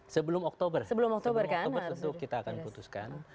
sebelum oktober tentu kita akan putuskan